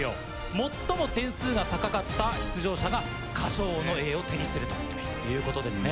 最も点数が高かった出場者が歌唱王の栄誉を手にするということですね。